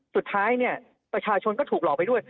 สุดท้ายเนี่ยประชาชนก็ถูกหลอกไปด้วย